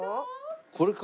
これか？